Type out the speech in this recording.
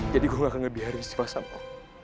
jadi gua gak akan ngebiarkan sifah sama lu